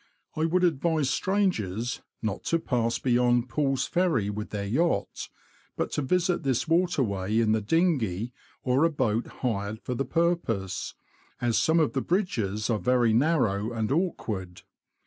I would advise strangers not to pass beyond Pull's Ferry with their yacht, but to visit this waterway in the dinghy, or a boat hired for the pur pose, as some of the bridges are very narrow and awkward.